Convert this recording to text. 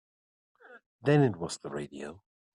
Then it was the radio.